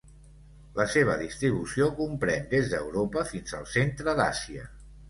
La seva distribució comprèn des d'Europa fins al centre d'Àsia.